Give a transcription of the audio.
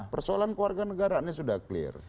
persoalan ke warga negara ini sudah clear